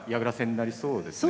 なりそうですね